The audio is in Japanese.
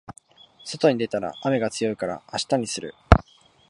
外に出たら雨が強いから明日にする